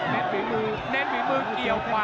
เน้นฝีมือเกี่ยวขวา